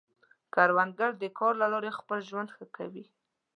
کروندګر د کار له لارې خپل ژوند ښه کوي